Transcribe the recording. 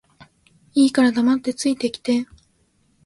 いいから黙って着いて来て